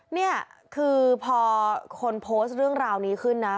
นี่คือพอคนโพสต์เรื่องราวนี้ขึ้นนะ